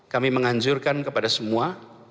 kami menganjurkan kepada semua